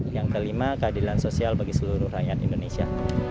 yang kelima keadilan sosial bagi seluruh rakyat indonesia